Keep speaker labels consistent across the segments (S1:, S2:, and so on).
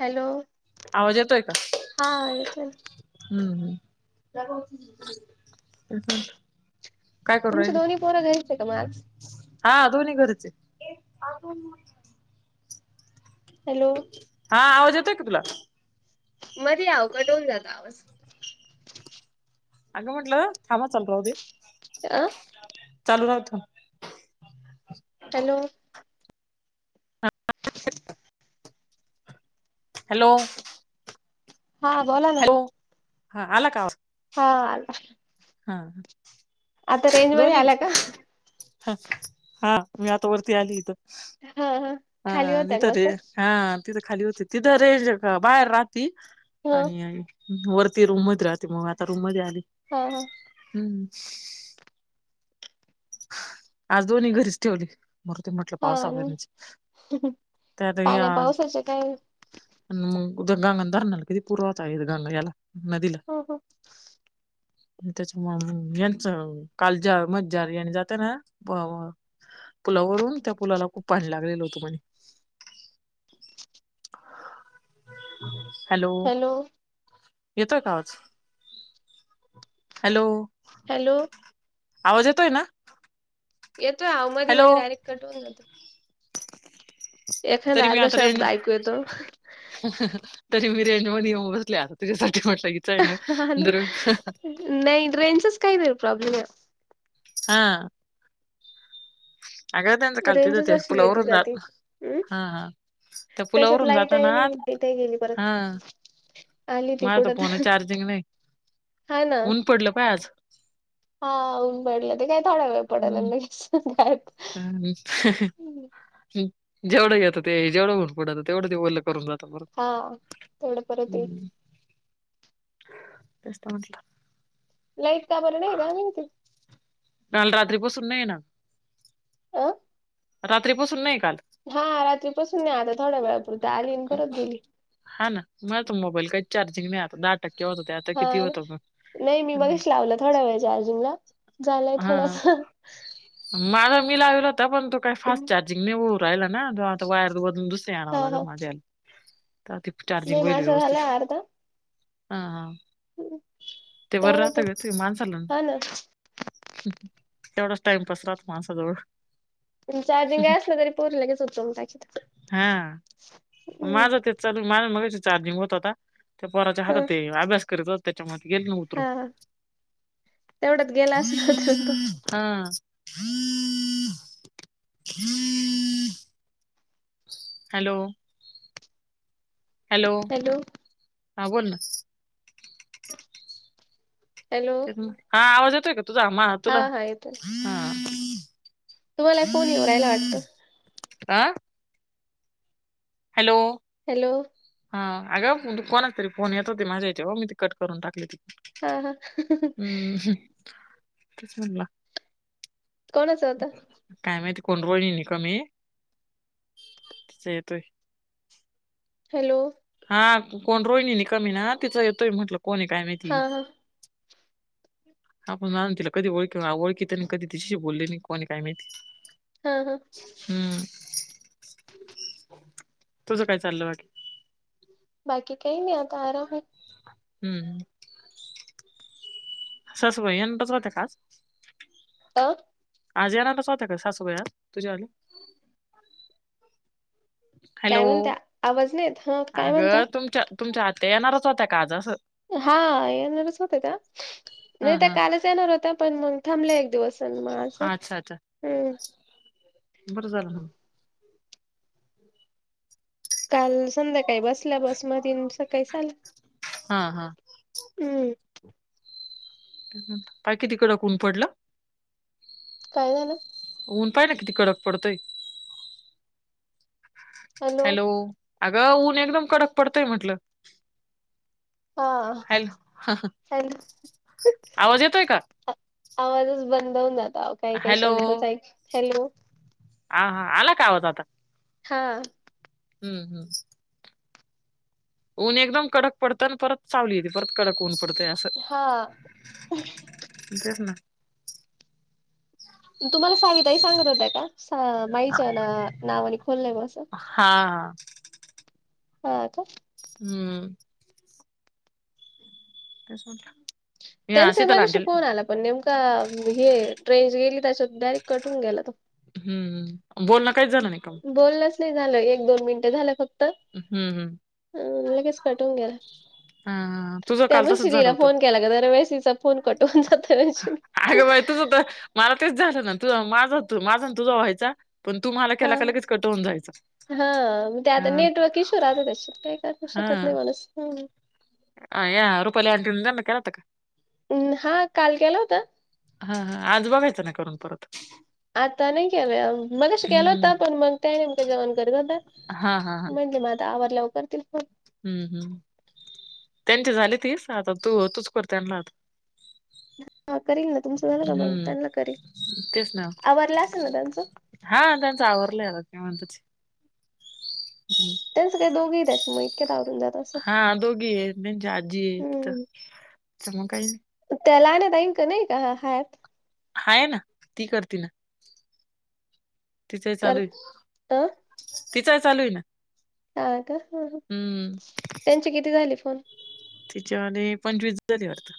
S1: Hello
S2: आवाज येतोय का?
S1: हा येतोय ना.
S2: हम्म हम् [inaudible]
S1: तुमचे दोन्ही पोरं घरीचय का म आज.
S2: हा दोन्ही घरीच हे.
S1: हॅलो!
S2: हा आवाज येतो का तुला?
S1: मध्ये आवो कट होऊन झाला.
S2: अगं म्हटलं थांब ह चालु राहुदे.
S1: अ [unintelligible]
S2: चालू राहुदे.
S1: हॅलो! [inaudible]
S2: हॅलो!
S1: हा बोला ना
S2: हॅलो हा आला का आवाज?
S1: हा आला.
S2: हा
S1: आता रेंज मध्ये
S2: दोन्ही
S1: आला का
S2: त- हा मी आता वरती आली इथं.
S1: हां
S2: हा तिथं रे हा तिथं खाली होते तिथं रेज बाहेर राहती.
S1: ह
S2: आणि वरती रूम मध्ये राहते मग, आता रूम मध्ये आली.
S1: हो हो
S2: हम्म आज दोन्ही घरीच ठेवली. मरुदे म्हटलं पावसा
S1: हा
S2: त्यात
S1: पाण्या
S2: आज
S1: पावसाचे काय ह
S2: [unintelligible] मग उ गांगा धरणार किधी पुूरवात आहे गंगा याला नदीला
S1: ह
S2: [unintelligible] त्याचामुळ यांचं काल जे मज्जा आली न जाते ना, [unintelligible] पुलावरून त्या पुलाला खूप पाणी लागलेलं होतं म्हणे. हॅलो!.. येतोय का आवाज हॅलो!
S1: हॅलो!
S2: आवाज येतोय ना?
S1: येतोय आ.. ओ.. मधी-
S2: हॅलो
S1: मधी डायरेक्ट कटवून जातोय. एखादा अर्धा शब्द ऐकू येतो.
S2: ह्... तरी मी रेंजमध्ये येऊन बसले आत तुझ्यासाठी म्हटलं इथं आहे ना दुरुन ह्..
S1: नाही रेजच काही नाही प्रॉब्लेम आहे.
S2: हा.. आलं होतं ना काल तिथं
S1: रेंजच
S2: ते
S1: अशी येती
S2: पुलावरून आत
S1: जाती हम्
S2: हा.. हा.. त्या
S1: त्याच्यात
S2: पुलावरून
S1: लाईट
S2: जाता
S1: आहे
S2: ना..
S1: नाही लाईट आहे गेली परत
S2: हा..
S1: आली ती
S2: माया तर
S1: कुठं
S2: फोन चार्जिंग नई,
S1: हा ना
S2: ऊन पडलं पाह आज
S1: हा.. उन पडलंय, ते काय थोडा वेळ पडाय लागलय ह्..
S2: ह्म्म्म.. ह्.. जेवढं येतं ते जेवढं ऊन पडेल तेवढं ते ओल करून जात
S1: हा.. तेवढं परत येईल.
S2: ते तर म्हटलं.
S1: लाईट का बर नाही का माहिती
S2: काल रात्री पासून नाही ना
S1: अ..
S2: रात्रीपासून नाही काल
S1: हा.. रात्रीपसून नाही आली थोड्या वेळापुरत आली आणि परत गेली.
S2: हा.. ना.. माझं तर मोबाईल काही चार्जिंग नाही आता दहा टक्के होत ते आता
S1: हा
S2: किती होतंय
S1: नाही मी मगाशी लावलं थोड्या वेळ चार्जिंग लाव.
S2: हा.. माझा मी लाविला तर पण तो काय फास्ट चार्जिंग नाही होत. पाहिले ना तो वायर बदलून दुसरी
S1: हा
S2: आणावं लागेल
S1: हा
S2: माझ्या ह्याला का ते चार्जिंग
S1: नाही
S2: होईल
S1: माझा
S2: व्यवस्थित,
S1: झालाय अर्धा
S2: हा.. हा..
S1: [inaudible]
S2: ते वर
S1: तेवढ्यात
S2: राहतं का ते माणसांना
S1: हा ना
S2: तेवढाच टाइमपास राहतो माणसाजवळ
S1: चार्जिंग काय असलं तरी पोर लगेच उचलून टाकीत, ह्..
S2: चालेल माझ मघाशी चार्जिंग होत होता ते पोराच्या
S1: हा
S2: हातात ते अभ्यास करीत होता त्याच्यामध्ये गेली उतरून
S1: हा तेवढ्यात गेला असेल उतरून तो
S2: [unintelligible] हा.. अ.. हॅलो! हॅलो!
S1: हॅलो!
S2: हा बोल ना
S1: हॅलो!
S2: हा.. आवाज येतोय का तुझा आ
S1: हा
S2: तुला,
S1: हा येतोय
S2: हा..
S1: तुम्हाला फोन येऊ राहिला वाटतं.
S2: अ.. हॅलो!
S1: हॅलो!
S2: हा अग तू कोणाचा तरी फोन येत होते माझ्या इथे मी ती कट करून टाकले.
S1: हा हा
S2: [unintelligible]
S1: कोणाचा होता?
S2: काय माहिती कोणी रोहिणी कम हे तिचा येतोय.
S1: हॅलो.
S2: हा कोण रोहिणी निकम आहे ना तिचां येतोय म्हटलं कोणी काय
S1: हा
S2: माहिती.
S1: हा
S2: हा पण जाण तला कधी ओळखी ओळखी त्यांनी कधी तिच्याशी बोलले नाही कोणी काही माहिती.
S1: हा हा.
S2: हम्म तुझ काय चाललं बाकी.
S1: बाकी काही नाही आता आराम हे.
S2: हम्म. सासुबाई. [unintelligible]
S1: अ
S2: आज येणार होत्या का सासूबाई आ तुझी आली. हॅलो
S1: काय म्हणता आवाज नाहीेत हा काय म्हणता
S2: अगं तुमच्या तुमच्या आत्या येणारच होता का आज असं.
S1: हा येणारच होत्या त्या.
S2: हा
S1: नाही तर
S2: हा
S1: कालच येणार होत्या पण मग थांबले एक दिवस मग आज.
S2: अच्छा अच्छा बरं झालं ना.
S1: काल संध्याकाळी बसल्या बस मधी न सकाळी ल
S2: हा हा
S1: हम्म.
S2: पाय किती कडक ऊन पडलं.
S1: पाहिलंन.
S2: ऊन पाहाय न किती कडक पडतय. हॅलो अगं ऊन एकदम कडक पडतय म्हटलं.
S1: हा.
S2: हॅलो आवाज येतोय का
S1: आवाजच बंद होऊन जात काय काय
S2: हॅलो
S1: शब्दच हॅलो.
S2: ह हा आला का‌ आवाज आता.
S1: हा.
S2: हम्म हम्म. ऊन एकदम कडक पडतं आणि परत सावली येते परत कडक ऊन पडतय हा.
S1: हा.
S2: तेच ना.
S1: तुमाला साविताई सांगत होतया का सा अ
S2: हा
S1: माईच्या ना अ नावाने खोललंय असं.
S2: हा.
S1: हा का.
S2: हम्म. [unintelligible] या
S1: त्यांचा
S2: शीतल
S1: मगाशी
S2: आंटी
S1: फोन आला. पन नेमका हेट् रेंज गेली त्याच्या डायरेक्ट कटून गेला तो.
S2: हम्म बोलनं काईच झालं नाई.
S1: बोल्नच नइ झालं एक दोन मिनिटं. झालं फक्त.
S2: हम्म हम्म.
S1: अ लगेच कटून गेला.
S2: हम्म तुझं काल तसंच
S1: त्यामुळे
S2: झालं
S1: ईला
S2: होतं
S1: फोन केला ग दर वळेईचा फोन कटून जातो.
S2: अगं बाई तुझं त माला तेच झालं ना तु माझ तू माझं तुझं व्हायचा. पण तू मला
S1: हा
S2: केला का लगेच कट होऊन जायचा
S1: हाव म ते आता
S2: अं,
S1: नेटवर्क इशू राहते त्याच्यात काय कर शकत नाही मानूस हां.
S2: अया रुपाली [unintelligible] जा ना कराता का?
S1: हा काल केला होता.
S2: हा हा आज बघायचं ना करून परत.
S1: आता नाही केलाय म मगाशी केला
S2: हम्म
S1: होता पण मंग त्या नेमकं जेवन करत होत्या
S2: हा हा हा
S1: म्हणलं म आता आवरल्यावर करतील फोन.
S2: हम्म हम्म. त्यांचे झाले तीस आता तू होतूच कर त्यांना आता.
S1: हा करील ना तुमचं झालं का मंग
S2: हम्म
S1: त्यांना करील
S2: तेच ना
S1: आवरलं आसेल ना त्यांचं.
S2: हा त्यांच आवरलय. [unintelligible] हम्म.
S1: त्यांचं काही दोघंही त्याच्यामुळे इतक्यात आवरून जात असं
S2: हा दोघी आहे आजी आहे त्यांचं आजी आहे. [unintelligible] तर मंग काय
S1: त्याला नाय [unintelligible] नाही का आहात?
S2: हाय ना ती करती ना. तिचा ही चालूय हे
S1: करत
S2: तिचं ही चालु आहे ना.
S1: हां का त्यांचे किती झाले फोन?
S2: तिचे आणि पंचवीस झाले वाटतं.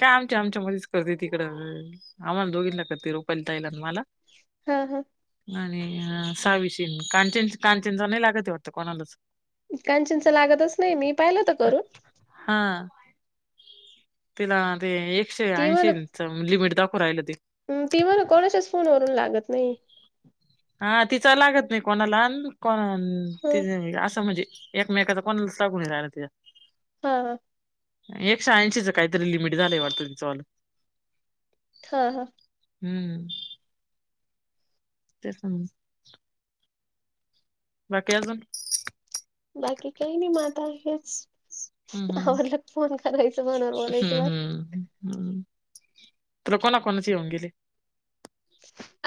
S2: काय आमच्या आमच्या मदधीच करते तिकडं आम्हाला दोघींना करते रूपालीताईला आन मला.
S1: हा हा.
S2: आणि अ सावीशीन कांचनच कांचनचा नाय लागत आहे वाटतं कोनालाच.
S1: कांचनचा लागतच नाही मी पाहिलं होतं करून.
S2: हा. तिला ते एकशे
S1: ती म्हण
S2: ऐंशीचं लिमिट दाखवू राहिलं ते.
S1: ती बरं कोणाच्याच फोन वरून लागत नाही.
S2: हा तिचा लागत नाही कोणालान कोणालान
S1: ह
S2: तिजं असं म्हणजे. एकमेकाचा कोणसा कोणी राहिला तिजा.
S1: हा हा.
S2: एकशे ऐंशीचं काहीतरी लिमिट झालंय वाटतय तिच्या वालं.
S1: हां हां.
S2: हम्म. तेच ना मंग. बाकी अजून
S1: बाकी काही नाही म आता हेच
S2: हम्म हम्म
S1: आवरलं की फोन करायच फोनवर बोलायचं
S2: हम्म
S1: बस.
S2: हम्म हम्म तुला कोणा कोणाचे येऊन गेले?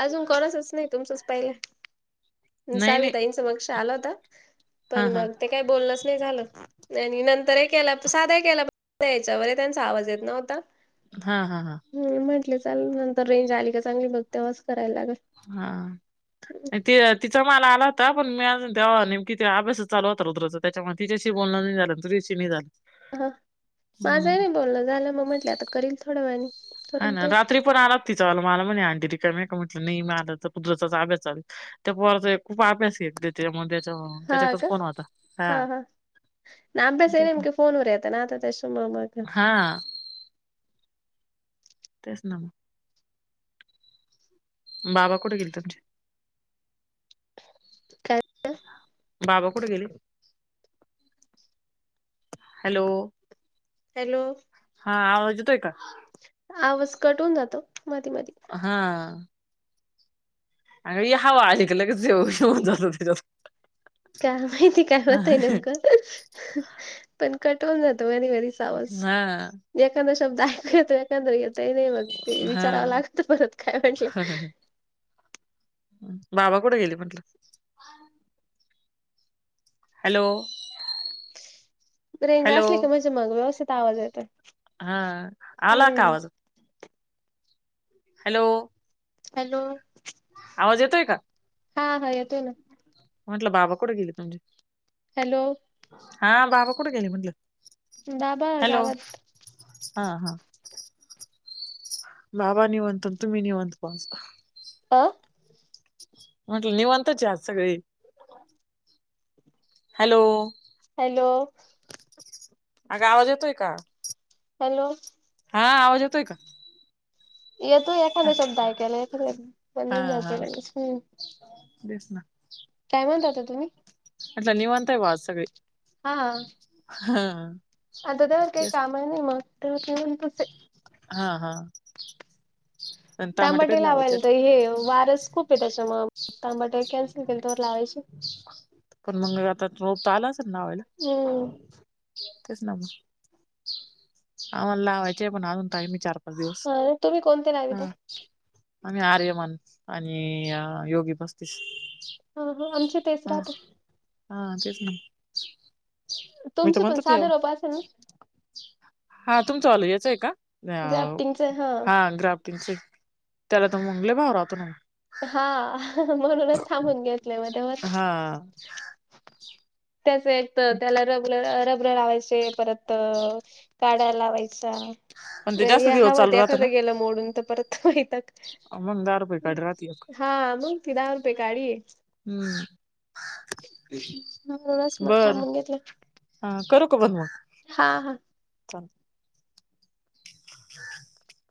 S1: अजून कोणाचाच नाही तुमचाच पहिला.
S2: नाही
S1: सावि
S2: नाही
S1: ताईंचं मगाशी आला होता
S2: हा
S1: पण
S2: हा
S1: मग ते काही बोललच नाही झालं त्यानी नंतर ही केला सादा ही केला [inaudible] याच्यावर त्यांचा आवाज येत नव्हता.
S2: हा हा हा.
S1: हम्म म्हटले चालू नंतर रेंज आली का चांगली बघ तेव्हाच कराय लागेल.
S2: हा. आणि ते तिचा मला आला होता पण मी अजून तेव्हा नेमकी त्या अभ्यासच चालू होत रूद्रचा त्याच्यामुळे तिच्याशी बोलणं नाही झालं [unintelligible] नाही झालं.
S1: हा
S2: हम्म
S1: माझंही नाही बोललं झालं मग म्हटले आता करील थोडं वेळाने.
S2: हा ना रात्री पण आलात तिचा आलं मला म्हणे आणती ती कमी आहे का म्हटलं नाही मी आ रुद्रचा अभ्यास चालू आहे. त्या पोराचा खूप अभ्यास येतो, त्याच्यामुळं त्याच्या
S1: हा
S2: त्याच्याकडच
S1: का
S2: फोन होता, हा.
S1: ना अभ्यास ये
S2: तेच
S1: नेमका फोन वर येतात ना, त्याच्यामुळं
S2: हां. तेच‌ ना. बाबा कुठे गेले तुमचे?
S1: काय ते?
S2: बाबा कुठे गेले, हॅलो!
S1: हॅलो!
S2: हा, आवज येतोय का?
S1: आवाज कट‌ हुन जातो, मधी मधी.
S2: हां. अगं हि हवा आली की लगेच हे होऊन जातो तो.
S1: काय माहिती काय होतय नेमकं, पण कट हुन जातो मधी मधी. आवाज,
S2: हा
S1: एखादा शब्द ऐकू येतो, एखादा नाही. काही नाही होत ते, विचारावं
S2: हा.
S1: लागतं परत, काय म्हटलं.
S2: बाबा कुठं गेले म्हटलं. हॅलो!
S1: रेंज
S2: हॅलो
S1: असली का म्हणजे मग व्यवस्थित आवाज येतोय.
S2: हां, आला का आवाज. हॅलो!
S1: हॅलो!
S2: आवाज येतोय का?
S1: हा हा येतोय ना.
S2: म्हटलं बाबा कुठे गेले तुमचे.
S1: हॅलो!
S2: हां, बाबा कुठं गेले म्हटलं.
S1: बााबा गावात.
S2: हां हां. बाबा निवांत, अन तुमी निवांत बसा
S1: आं
S2: म्हटलं निवांतच आहे सगळी. हॅलो!
S1: हॅलो!
S2: अगं आवाज येतोय का?
S1: हॅलो!
S2: हां, आवाज येतोय का?
S1: येतोय एखादा शब्द ऐकायला येतोय--हम्म.
S2: हा हा
S1: [unintelligible]
S2: तेच ना.
S1: काय म्हणत होता तुम्ही?
S2: म्हटलं निवांतय बुवा आज सगळी.
S1: हां.
S2: हां.
S1: [unintelligible] आता घरात काही कामं नाही मग
S2: हां हां. [inaudible]
S1: तांबाटे
S2: कधी लावायचे
S1: लावायला
S2: आहेत?
S1: तर हे वारस खूप ये त्याच्यामूळ तांबाटे कॅन्सल केले तोवर लावायचे.
S2: पण मंग आता रोप तर आलं असेल लावायला
S1: हम्म
S2: तेच ना मग. आम्हला लावायचे पण अजून टाइम ये चार पाच दिवस
S1: तुम्ही कोणते
S2: हा.
S1: लाविता
S2: आम्ही आर्यमान आणि योगी बस्तीस.
S1: [unintelligible] आमची
S2: हा हा तेच ना. मी तर
S1: तुमचं पण
S2: म्हणतं
S1: साधं
S2: याव
S1: रोप असेल ना
S2: हा तुमचं वाल यांचं य का. हाव हा ग्राफटींगच त्याला त मंग लय भाव राहतो ना.
S1: हा म्हणूनच थांबून गेलो.
S2: हा
S1: त्याचसाठी. त त्याला रबर, रबर लावायचे परत काड्या लावायच्या.
S2: पण ते
S1: आणि
S2: जास्त दिवस
S1: हावत
S2: चालू राहत
S1: एखाद
S2: ना
S1: गेलं मोडून तर परत वैताग.
S2: मग दहा रुपये काढ राहते एक
S1: हा मंग ति दहा रुपये काडी ये.
S2: हम्म
S1: [unintelligible] मग
S2: बरं
S1: थांबून घेतलं.
S2: हा करू का बन.
S1: हा हा
S2: [inaudible]